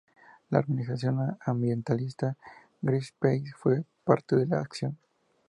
La organización ambientalista Greenpeace fue parte de la acción.